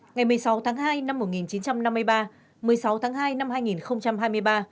ngày một mươi sáu tháng hai năm một nghìn chín trăm năm mươi ba một mươi sáu tháng hai năm hai nghìn hai mươi ba